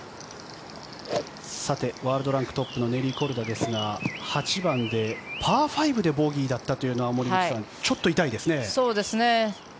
さて、ワールドランクトップのネリー・コルダですが８番でパー５でボギーだったというのはそうですね。